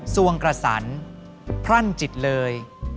วงกระสันพรั่นจิตเลย